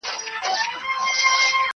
خړسایل مي د لفظونو شاهنشا دی,